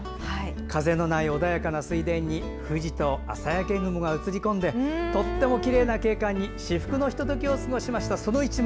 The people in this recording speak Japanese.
風のない穏やかな水田に富士と朝焼け雲が映り込みとってもきれいな景観に至福のひとときを過ごしました。